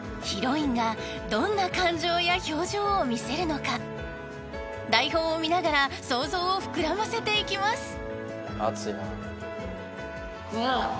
［ヒロインがどんな感情や表情を見せるのか台本を見ながら想像を膨らませていきます］